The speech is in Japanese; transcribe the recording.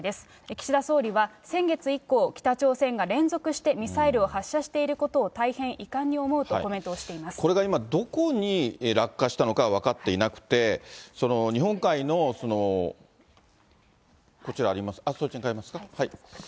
岸田総理は、先月以降北朝鮮が連続してミサイルを発射していることを大変遺憾これが今、どこに落下したのかは分かっていなくて、日本海の、こちら、そちらになりますか？